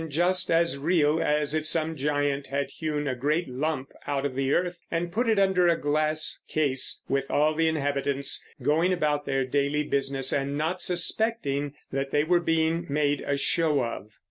just as real as if some giant had hewn a great lump out of the earth and put it under a glass case, with all the inhabitants going about their daily business and not suspecting that they were being made a show of."